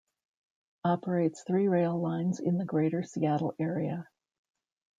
Operates three rail lines in the greater Seattle area.